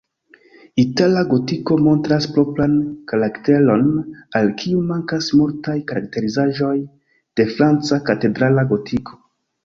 Itala gotiko montras propran karakteron, al kiu mankas multaj karakterizaĵoj de franca katedrala gotiko.